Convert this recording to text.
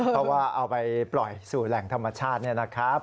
เพราะว่าเอาไปปล่อยสู่แหล่งธรรมชาติเนี่ยนะครับ